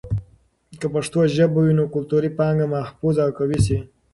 که پښتو ژبه وي، نو کلتوري پانګه محفوظ او قوي شي.